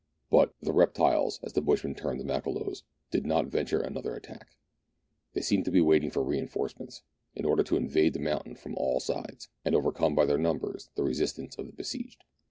But "the reptiles," as the bushman termed the Makololos, did not venture another attack. They seemed to be waiting for reinforcements, in order to invade the mountain from all sides, and overcome by their numbers the resistance of the besieged.